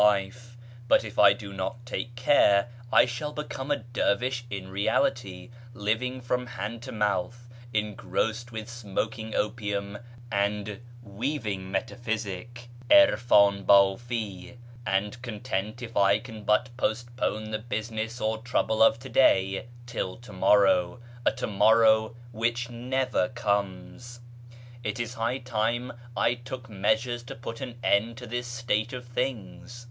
AMONGST THE KALANDARS 529 but if I do not take care I shall become a dervish iu reality, living from hand to mouth, engrossed with smoking opium and ' weaving metaphysic ' (irfd7i hdfi), and content if I can but postpone the business or trouble of to day till to morrow — a to morrow which never comes. It is \\m\\ time I took measures to put an end to this state of things."